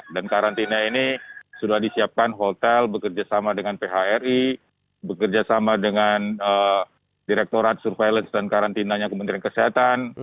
dan karantina ini sudah disiapkan hotel bekerja sama dengan phri bekerja sama dengan direktorat surveillance dan karantinanya kementerian kesehatan